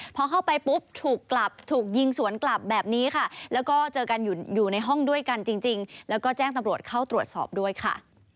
พอเข้าไปปุ๊บถูกกลับถูกยิงสวนกลับแบบนี้ค่ะแล้วก็เจอกันอยู่ในห้องด้วยกันจริงแล้วก็แจ้งตำรวจเข้าตรวจสอบด้วยค่ะ